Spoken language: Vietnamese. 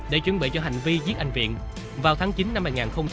để chuẩn bị cho hành vi giết anh viện vào tháng chín năm hai nghìn ba